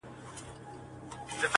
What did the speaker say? د رنځور لېوه ژړا یې اورېدله؛